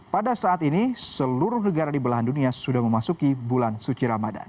pada saat ini seluruh negara di belahan dunia sudah memasuki bulan suci ramadan